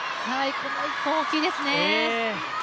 この１本は大きいですね。